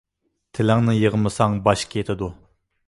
تىلىڭنى يىغمىساڭ باش كېتىدۇ.